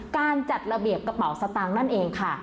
การจัดระเบียบกระเป๋าสตางค์นั่นเองค่ะ